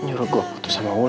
nyuruh gua putus sama wulan